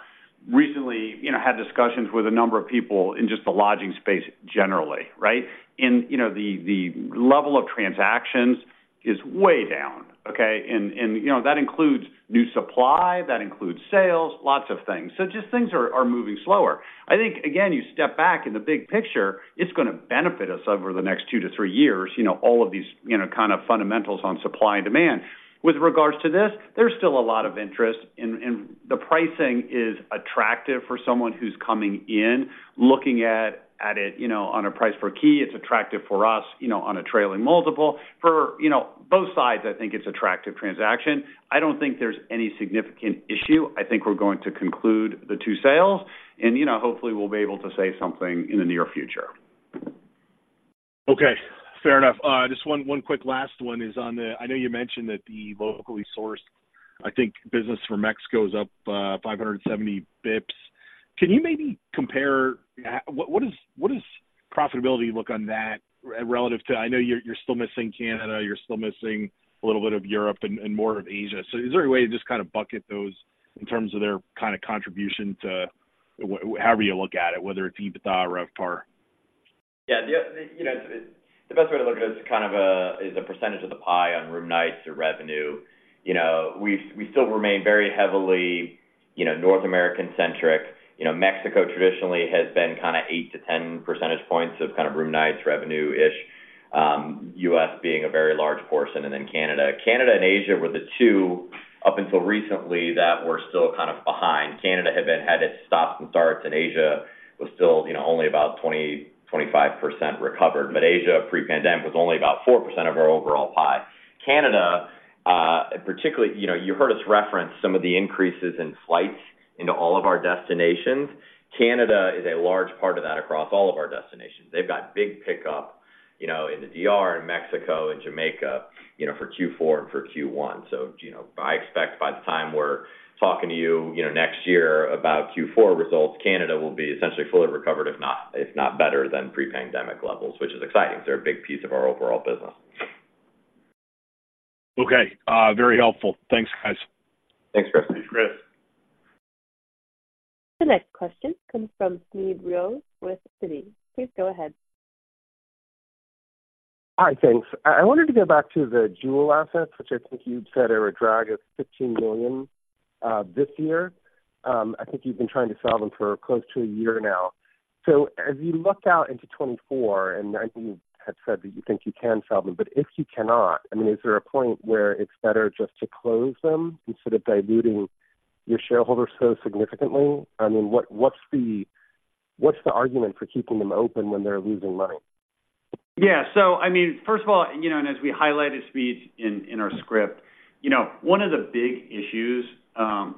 recently, you know, had discussions with a number of people in just the lodging space generally, right? And, you know, the level of transactions is way down, okay? And, you know, that includes new supply, that includes sales, lots of things. So just things are moving slower. I think, again, you step back in the big picture, it's going to benefit us over the next 2-3 years, you know, all of these, you know, kind of fundamentals on supply and demand. With regards to this, there's still a lot of interest, and, and the pricing is attractive for someone who's coming in, looking at, at it, you know, on a price per key. It's attractive for us, you know, on a trailing multiple. For, you know, both sides, I think it's attractive transaction. I don't think there's any significant issue. I think we're going to conclude the two sales and, you know, hopefully, we'll be able to say something in the near future. Okay, fair enough. Just one, one quick last one is on the... I know you mentioned that the locally sourced, I think, business for Mexico is up 570 basis points. Can you maybe compare— What, what does, what does profitability look on that relative to... I know you're, you're still missing Canada, you're still missing a little bit of Europe and, and more of Asia. So is there a way to just kind of bucket those in terms of their kind of contribution to however you look at it, whether it's EBITDA or RevPAR? Yeah, the, you know, the best way to look at it is kind of a percentage of the pie on room nights or revenue. You know, we still remain very heavily, you know, North American-centric. You know, Mexico traditionally has been kind of 8-10 percentage points of kind of room nights, revenue-ish, U.S. being a very large portion, and then Canada. Canada and Asia were the two, up until recently, that were still kind of behind. Canada had been had its stops and starts, and Asia was still, you know, only about 20-25% recovered. But Asia, pre-pandemic, was only about 4% of our overall pie. Canada, particularly, you know, you heard us reference some of the increases in flights into all of our destinations. Canada is a large part of that across all of our destinations. They've got big pickup, you know, in the DR and Mexico and Jamaica, you know, for Q4 and for Q1. So, you know, I expect by the time we're talking to you, you know, next year about Q4 results, Canada will be essentially fully recovered, if not, if not better than pre-pandemic levels, which is exciting. So a big piece of our overall business.... Okay. Very helpful. Thanks, guys. Thanks, Chris. Chris. The next question comes from Smedes Rose with Citi. Please go ahead. Hi. Thanks. I wanted to go back to the Jewel assets, which I think you'd said are a drag of $15 million this year. I think you've been trying to sell them for close to a year now. So as you look out into 2024, and I think you had said that you think you can sell them, but if you cannot, I mean, is there a point where it's better just to close them instead of diluting your shareholders so significantly? I mean, what's the argument for keeping them open when they're losing money? Yeah. So, I mean, first of all, you know, and as we highlighted Smedes, in our script, you know, one of the big issues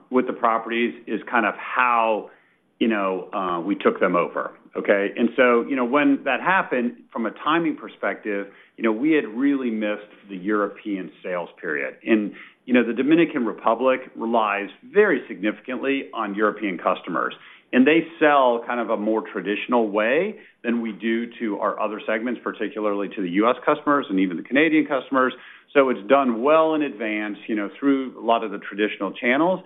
with the properties is kind of how we took them over, okay? And so, you know, when that happened, from a timing perspective, you know, we had really missed the European sales period. And, you know, the Dominican Republic relies very significantly on European customers, and they sell kind of a more traditional way than we do to our other segments, particularly to the U.S. customers and even the Canadian customers. So it's done well in advance, you know, through a lot of the traditional channels.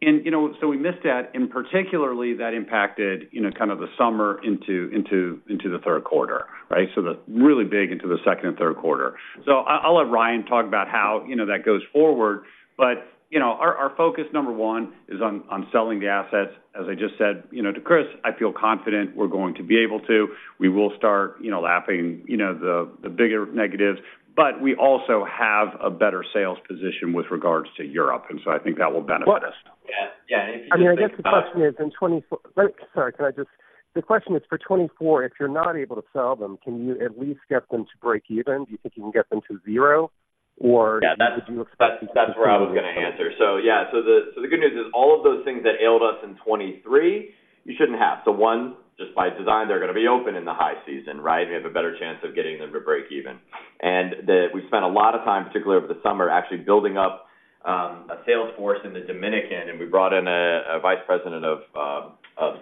And, you know, so we missed that, and particularly, that impacted, you know, kind of the summer into the third quarter, right? So the really big into the second and third quarter. So, I'll let Ryan talk about how, you know, that goes forward. But, you know, our focus, number one, is on selling the assets. As I just said, you know, to Chris, I feel confident we're going to be able to. We will start, you know, lapping, you know, the bigger negatives, but we also have a better sales position with regards to Europe, and so I think that will benefit us. Yeah, yeah. I mean, I guess the question is in 2024. Sorry, can I just... The question is for 2024, if you're not able to sell them, can you at least get them to break even? Do you think you can get them to zero, or- Yeah, that's, that's where I was going to answer. So, yeah. So the good news is all of those things that ailed us in 2023, you shouldn't have. So one, just by design, they're going to be open in the high season, right? We have a better chance of getting them to break even. And that we've spent a lot of time, particularly over the summer, actually building up a sales force in the Dominican, and we brought in a vice president of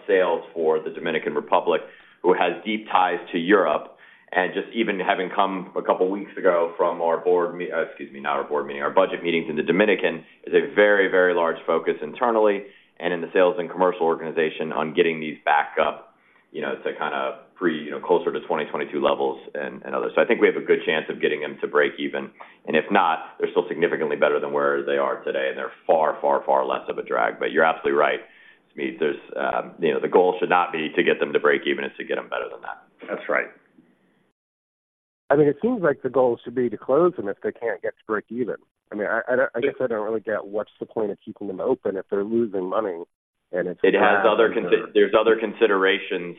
sales for the Dominican Republic, who has deep ties to Europe. And just even having come a couple of weeks ago from our board, excuse me, not our board meeting, our budget meetings in the Dominican, is a very, very large focus internally and in the sales and commercial organization on getting these back up, you know, to kind of pre, you know, closer to 2022 levels and, and others. So I think we have a good chance of getting them to break even. And if not, they're still significantly better than where they are today, and they're far, far, far less of a drag. But you're absolutely right, Smedes. There's, you know, the goal should not be to get them to break even. It's to get them better than that. That's right. I mean, it seems like the goal should be to close them if they can't get to break even. I mean, I guess I don't really get what's the point of keeping them open if they're losing money and if- There's other considerations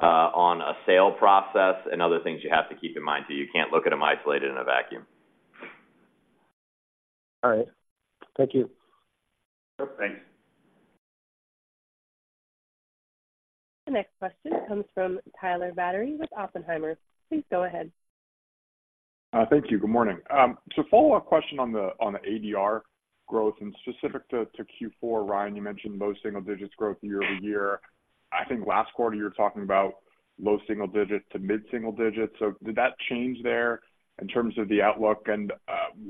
on a sale process and other things you have to keep in mind, too. You can't look at them isolated in a vacuum. All right. Thank you. Sure. Thanks. The next question comes from Tyler Batory with Oppenheimer. Please go ahead. Thank you. Good morning. So a follow-up question on the ADR growth, and specific to Q4, Ryan, you mentioned low single digits growth year-over-year. I think last quarter you were talking about low single digits to mid single digits. So did that change there in terms of the outlook? And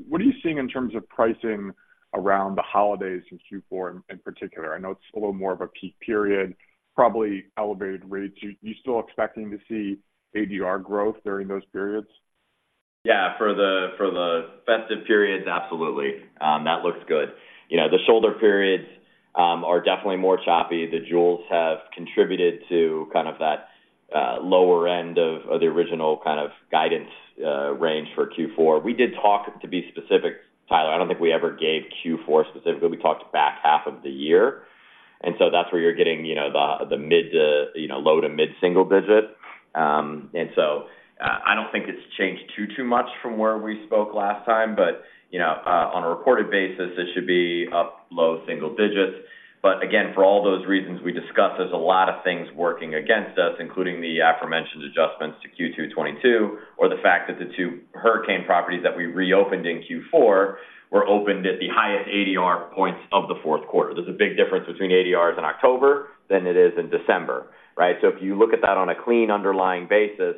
what are you seeing in terms of pricing around the holidays in Q4 in particular? I know it's a little more of a peak period, probably elevated rates. You still expecting to see ADR growth during those periods? Yeah, for the, for the festive periods, absolutely. That looks good. You know, the shoulder periods are definitely more choppy. The Jewels have contributed to kind of that lower end of the original kind of guidance range for Q4. We did talk to be specific, Tyler, I don't think we ever gave Q4 specifically. We talked back half of the year, and so that's where you're getting, you know, the mid to low to mid single digit. And so, I don't think it's changed too much from where we spoke last time, but, you know, on a reported basis, it should be up low single digits. But again, for all those reasons we discussed, there's a lot of things working against us, including the aforementioned adjustments to Q2 2022, or the fact that the two hurricane properties that we reopened in Q4 were opened at the highest ADR points of the fourth quarter. There's a big difference between ADRs in October than it is in December, right? So if you look at that on a clean underlying basis,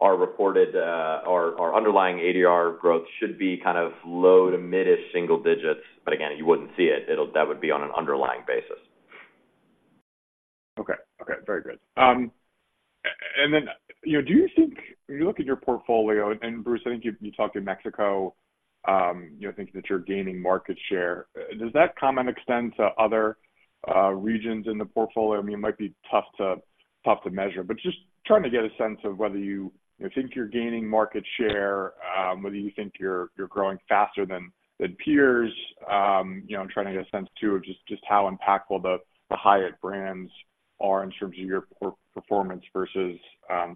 our reported our underlying ADR growth should be kind of low to mid-ish single digits, but again, you wouldn't see it. It'll. That would be on an underlying basis. Okay. Okay, very good. And then, you know, do you think when you look at your portfolio, and Bruce, I think you, you talked in Mexico, you know, thinking that you're gaining market share. Does that comment extend to other regions in the portfolio? I mean, it might be tough to, tough to measure, but just trying to get a sense of whether you, you think you're gaining market share, whether you think you're, you're growing faster than, than peers. You know, I'm trying to get a sense, too, of just, just how impactful the, the Hyatt brands are in terms of your per-performance versus,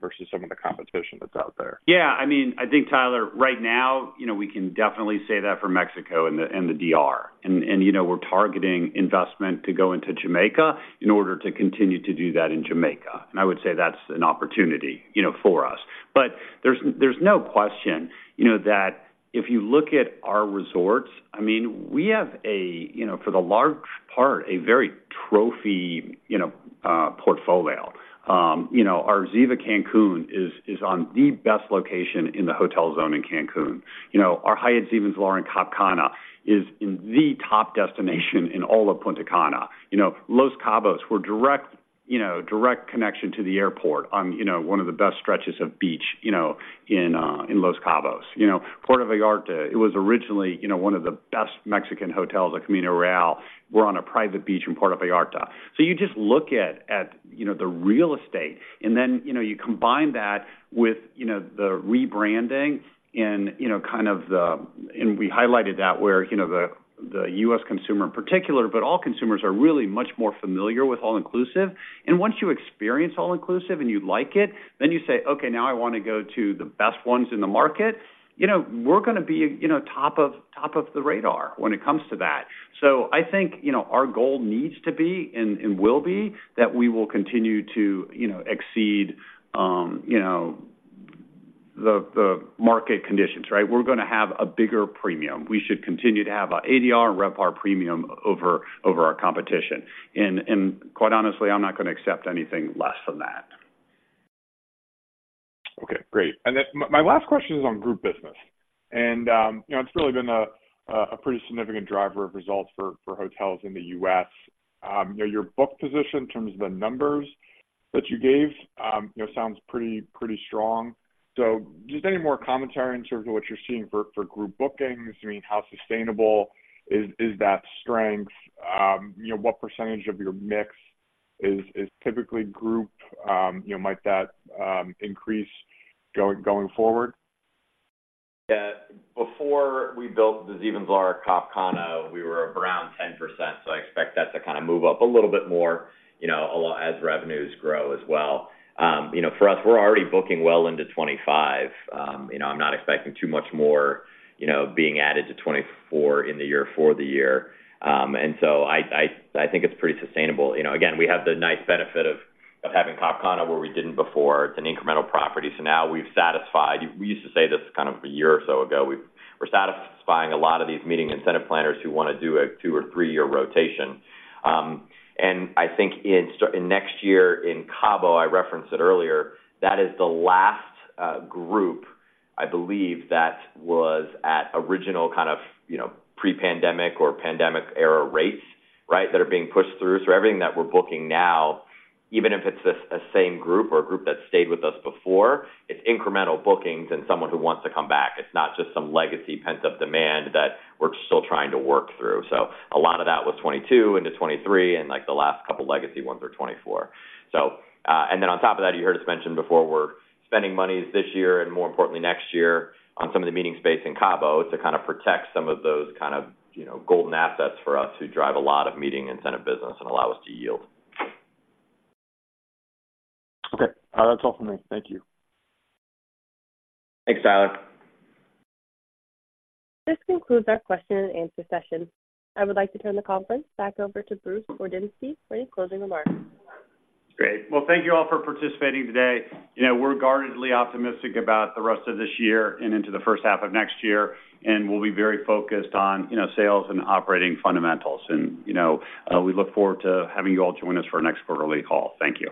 versus some of the competition that's out there. Yeah, I mean, I think, Tyler, right now, you know, we can definitely say that for Mexico and the DR. And you know, we're targeting investment to go into Jamaica in order to continue to do that in Jamaica. And I would say that's an opportunity, you know, for us. But there's no question, you know, that if you look at our resorts. I mean, we have, you know, for the large part, a very trophy, you know, portfolio. You know, our Ziva Cancún is on the best location in the hotel zone in Cancún. You know, our Hyatt Ziva in Cap Cana is in the top destination in all of Punta Cana. You know, Los Cabos, we're direct, you know, direct connection to the airport on, you know, one of the best stretches of beach, you know, in Los Cabos. You know, Puerto Vallarta, it was originally, you know, one of the best Mexican hotels at Camino Real. We're on a private beach in Puerto Vallarta. So you just look at, you know, the real estate, and then, you know, you combine that with, you know, the rebranding and, you know, kind of the. And we highlighted that where, you know, the U.S. consumer in particular, but all consumers are really much more familiar with all-inclusive. Once you experience all-inclusive and you like it, then you say, "Okay, now I want to go to the best ones in the market." You know, we're going to be, you know, top of, top of the radar when it comes to that. So I think, you know, our goal needs to be, and, and will be, that we will continue to, you know, exceed, you know, the, the market conditions, right? We're going to have a bigger premium. We should continue to have our ADR and RevPAR premium over, over our competition. And, and quite honestly, I'm not going to accept anything less than that. Okay, great. And then my last question is on group business. And, you know, it's really been a pretty significant driver of results for hotels in the U.S. You know, your book position in terms of the numbers that you gave, you know, sounds pretty strong. So just any more commentary in terms of what you're seeing for group bookings? I mean, how sustainable is that strength? You know, what percentage of your mix is typically group? You know, might that increase going forward? Yeah. Before we built the Hyatt Ziva Cap Cana, we were around 10%, so I expect that to kind of move up a little bit more, you know, a lot as revenues grow as well. You know, for us, we're already booking well into 2025. You know, I'm not expecting too much more, you know, being added to 2024 in the year for the year. And so I think it's pretty sustainable. You know, again, we have the nice benefit of having Cap Cana where we didn't before. It's an incremental property. So now we've satisfied. We used to say this kind of a year or so ago, we're satisfying a lot of these meeting incentive planners who want to do a two or three-year rotation. And I think in next year in Cabo, I referenced it earlier, that is the last group, I believe, that was at original kind of, you know, pre-pandemic or pandemic-era rates, right? That are being pushed through. So everything that we're booking now, even if it's the same group or a group that stayed with us before, it's incremental bookings and someone who wants to come back. It's not just some legacy pent-up demand that we're still trying to work through. So a lot of that was 2022 into 2023 and, like, the last couple legacy ones were 2024. and then on top of that, you heard us mention before, we're spending monies this year, and more importantly, next year, on some of the meeting space in Cabo to kind of protect some of those kind of, you know, golden assets for us to drive a lot of meeting incentive business and allow us to yield. Okay. That's all from me. Thank you. Thanks, Tyler. This concludes our question and answer session. I would like to turn the conference back over to Bruce Wardinski for any closing remarks. Great. Well, thank you all for participating today. You know, we're guardedly optimistic about the rest of this year and into the first half of next year, and we'll be very focused on, you know, sales and operating fundamentals. And, you know, we look forward to having you all join us for our next quarterly call. Thank you.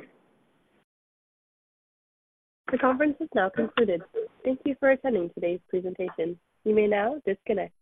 The conference is now concluded. Thank you for attending today's presentation. You may now disconnect.